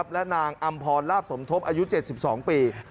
และนางอำพรลาบสมทบอายุ๗๒ปี